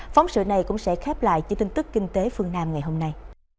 phóng sự này cũng sẽ khép lại những tin tức kinh tế phương nam ngày hôm nay